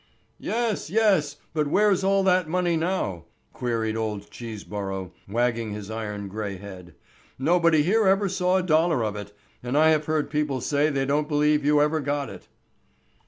"Yes, yes; but where is all that money now?" queried old Cheeseborough, wagging his iron gray head. "Nobody here ever saw a dollar of it, and I have heard people say they don't believe you ever got it."